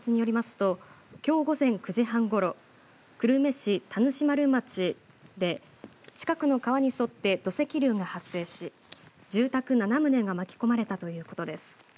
ときょう午前９時半ごろ、久留米市田主丸町で近くの川に沿って土石流が発生し住宅７棟が巻き込まれたということです。